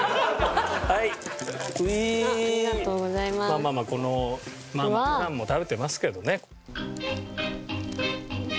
まあまあまあこの普段も食べてますけどね。